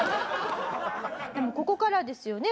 でもここからですよね